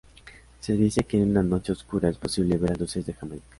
Se dice que en una noche oscura es posible ver las luces de Jamaica.